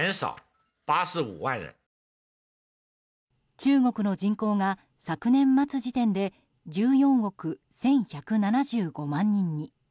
中国の人口が昨年末時点で１４億１１７５万人に。